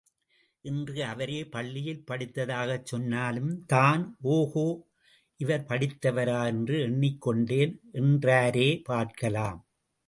இன்று அவரே பள்ளியில் படித்ததாகச் சொன்னதும்தான், ஒகோ இவர் படித்தவரா என்று எண்ணிக்கொண்டேன், என்றாரேபார்க்கலாம்.